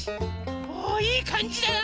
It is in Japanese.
おおいいかんじだな！